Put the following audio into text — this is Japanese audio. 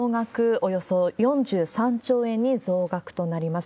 およそ４３兆円に増額となります。